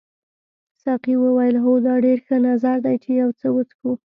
ساقي وویل هو دا ډېر ښه نظر دی چې یو څه وڅښو.